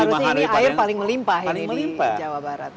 seharusnya ini air paling melimpa di jawa barat